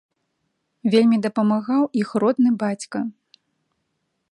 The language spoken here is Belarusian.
Вельмі дапамагаў іх родны бацька.